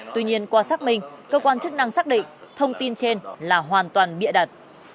tuy nhiên qua xác minh cơ quan chức năng xác định thông tin trên là hoàn toàn bịa đặt